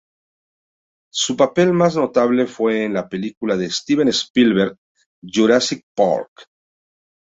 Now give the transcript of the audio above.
Su papel más notable fue en la película de Steven Spielberg "Jurassic Park".